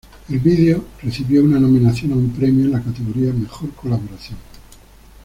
El video recibió una nominación a un premio en la categoría Mejor colaboración.